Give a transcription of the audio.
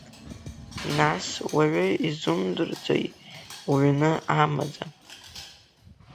Нас, уаҩы изымдырӡои уҩны амаӡа?